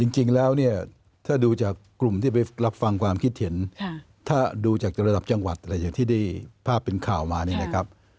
จริงแล้วเนี่ยถ้าดูจากกลุ่มที่ไปรับฟังความคิดเห็นถ้าดูจากระดับจังหวัดอะไรอย่างที่ได้ภาพเป็นข่าวมาเนี่ยนะครับ